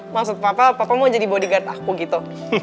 maksud papa papa mau jadi bodyguard aku gitu